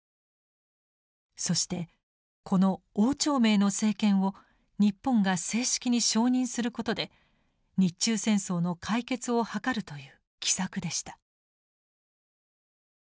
そしてこの汪兆銘の政権を日本が正式に承認することで日中戦争の解決を図るという奇策でした。